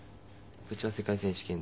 こっちは世界選手権で。